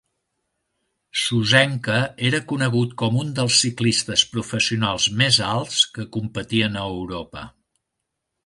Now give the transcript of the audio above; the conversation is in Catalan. Sosenka era conegut com un dels ciclistes professionals més alts que competien a Europa.